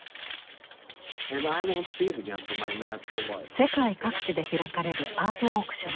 世界各地で開かれるアートオークション。